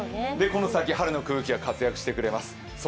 この先春の空気が活躍してくれます。